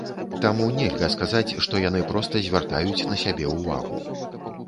Таму нельга сказаць, што яны проста звяртаюць на сябе ўвагу.